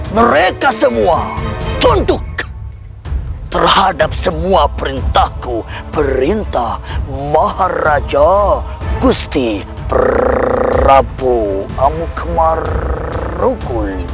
mereka semua tunduk terhadap semua perintahku perintah maharaja gusti prabowo amukmar rukun